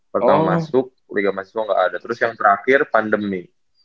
pertama masuk liga mahasiswa gak ada terus yang terakhir pandemi